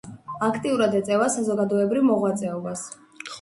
აქტიურად ეწევა საზოგადოებრივ მოღვაწეობას.